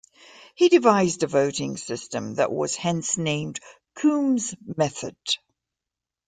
He devised a voting system, that was hence named Coombs' method.